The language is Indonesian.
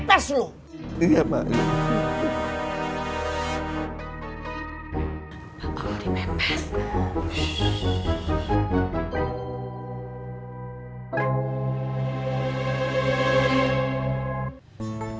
apa mau di pepes